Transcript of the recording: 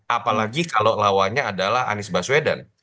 apalagi kalau lawannya adalah anies baswedan